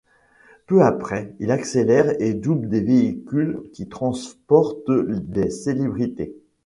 Peu après, il accélère et double des véhicules qui transportent des célébrités.